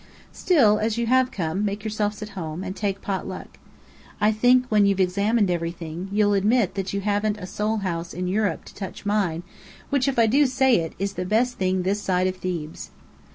Still, as you have come, make yourselves at home, and take pot luck. I think when you've examined everything, you'll admit that you haven't a Soul House in Europe to touch mine which, if I do say it, is the best thing this side of Thebes."